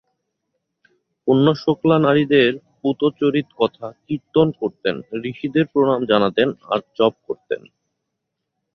পুণ্যশ্লোকা নারীদের পূত চরিতকথা কীর্তন করতেন, ঋষিদের প্রণাম জানাতেন, আর জপ করতেন।